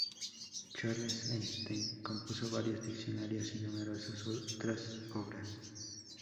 Charles Estienne compuso varios diccionarios y numerosas otras obras.